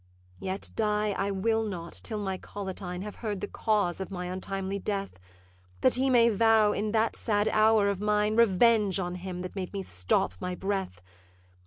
'Yet die I will not till my Collatine Have heard the cause of my untimely death; That he may vow, in that sad hour of mine, Revenge on him that made me stop my breath.